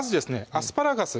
アスパラガス